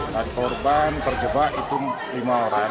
dari korban terjebak itu lima orang